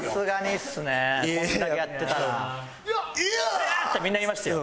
「うわっ！」ってみんな言いましたよ。